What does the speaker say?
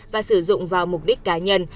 và sử dụng vào mục đích cá nhân